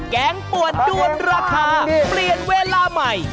งป่วนด้วนราคาเปลี่ยนเวลาใหม่